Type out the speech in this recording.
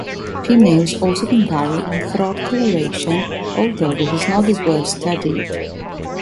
Females also can vary in throat coloration, although this is not as well-studied.